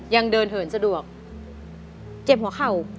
ยังเดินเหินสะดวกเจ็บหัวเข่า